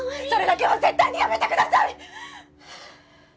それだけは絶対にやめてください！！